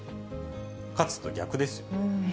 かつてと逆ですよね。